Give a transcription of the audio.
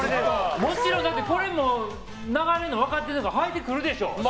もちろん、これも流れるの分かってるからはいてくるでしょ。